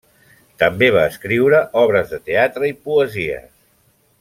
També va escriure obres de teatre i poesies.